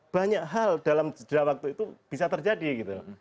banyak hal dalam sejumlah waktu itu bisa terjadi gitu